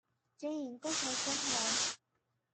經營共同生活